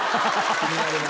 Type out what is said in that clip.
気になるな。